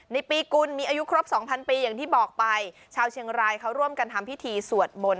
ในปีกุลมีอายุครบสองพันปีอย่างที่บอกไปชาวเชียงรายเขาร่วมกันทำพิธีสวดมนต์